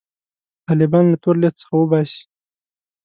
طالبان له تور لیست څخه وباسي.